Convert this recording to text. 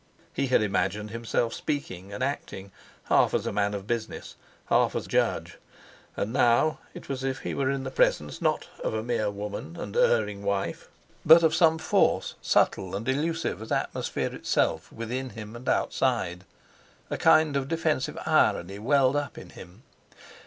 He had imagined himself speaking and acting, half as man of business, half as judge. And now it was as if he were in the presence not of a mere woman and erring wife, but of some force, subtle and elusive as atmosphere itself within him and outside. A kind of defensive irony welled up in him.